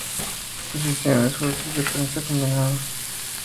Exposición: Esfuerzos de prensa combinados.